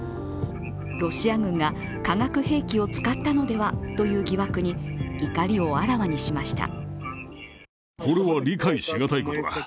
ロシア軍が化学兵器を使ったのではという疑惑に、怒りをあらわにしました。